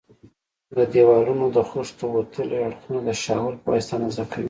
د دېوالونو د خښتو وتلي اړخونه د شاول په واسطه اندازه کوي.